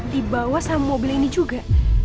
dibawa sama mobil ini juga